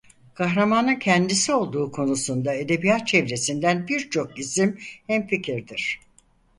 Kahramanın kendisi olduğu konusunda edebiyat çevresinden birçok isim hemfikirdir.